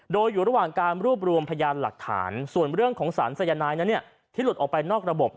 โดยอยู่ระหว่างการรวบรวมพยานหลักฐานส่วนเรื่องของสารสายนายนั้นที่หลุดออกไปนอกระบบ